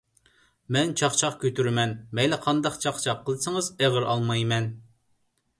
مەن چاقچاق كۆتۈرىمەن. مەيلى قانداق چاقچاق قىلسىڭىز ئېغىر ئالمايمەن.